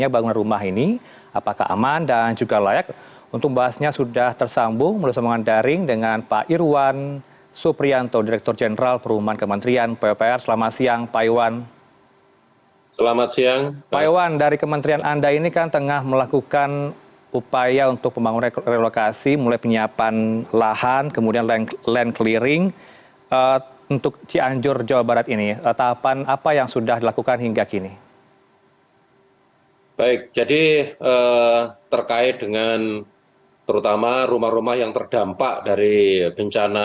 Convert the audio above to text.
baik jadi terkait dengan terutama rumah rumah yang terdampak dari bencana